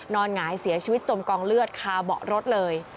หงายเสียชีวิตจมกองเลือดคาเบาะรถเลย